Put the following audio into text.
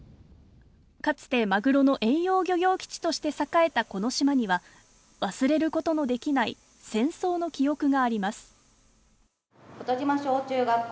かつてマグロの遠洋漁業基地として栄えたこの島には忘れることのできない戦争の記憶があります